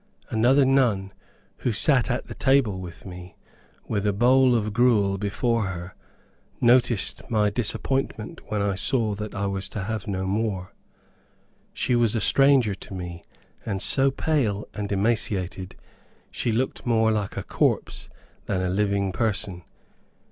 Another nun, who sat at the table with me, with a bowl of gruel before her, noticed my disappointment when I saw that I was to have no more. She was a stranger to me, and so pale and emaciated she looked more like a corpse than a living person.